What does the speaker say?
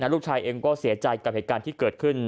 ลูกชายเองก็เสียใจกับเหตุการณ์ที่เกิดขึ้น